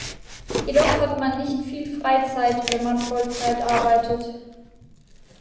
Jedoch hat man nicht viel Freizeit, wenn man Vollzeit arbeitet.